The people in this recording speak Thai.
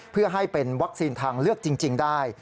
เพื่อให้เป็นวัคซีนทางเลือกจริงได้